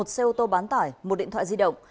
một xe ô tô bán tải một điện thoại di động